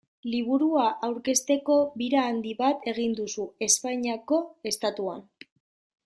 Liburua aurkezteko bira handi bat egin duzu Espainiako Estatuan.